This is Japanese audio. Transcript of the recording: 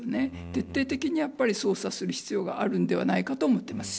徹底的に捜査する必要があるんではないかと思ってます。